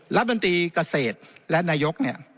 รัฐบันตรีเกษตรและนายก